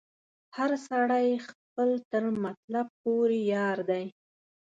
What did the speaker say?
هر سړی خپل تر مطلب پوري یار دی